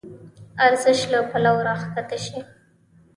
ارزش له پلوه راکښته شي.